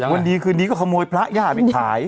วันดีคืนนี้ก็ขโมยพระย่าไปขาย